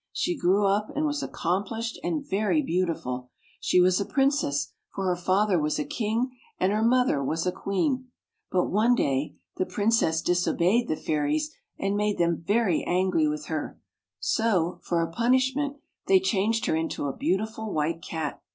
She grew up, and was accom plished and very beautiful. She was a Prin cess, for her father was a King, and her mother a Queen. But one day the Princess disobeyed the fairies and made them very angry with her, so, for a punishment, they changed her into a beautiful White Cat.